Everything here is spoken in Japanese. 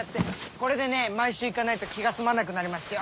これでね毎週行かないと気が済まなくなりますよ。